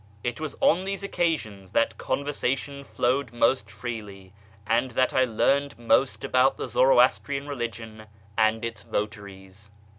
It was on these occasions that conversation flowed most freely, and that I learned most about the Zoroastrian religion and its votaries.